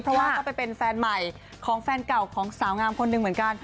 เพราะว่าก็ไปเป็นแฟนใหม่ของแฟนเก่าของสาวงามคนหนึ่งเหมือนกัน